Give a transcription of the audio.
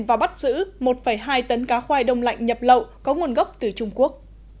và bắt giữ một hai tấn cá khoai đông lạnh nhập lậu có nguồn gốc từ trung quốc